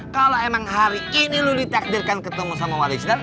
kalau emang hari ini lo ditakdirkan ketemu sama wali sinar